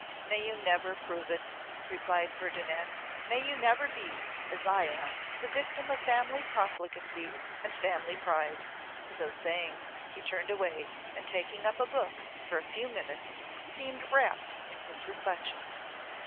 'May you never prove it!' replied Ferdinand; 'may you never be, as I am, the victim of family profligacy and family pride!' So saying, he turned away, and, taking up a book, for a few minutes seemed wrapped in his reflections.